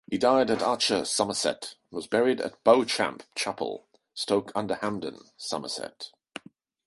He died at Hache, Somerset, and was buried at Beauchamp Chapel, Stoke-under-Hamden, Somerset.